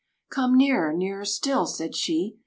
"Come nearer, nearer still," said she.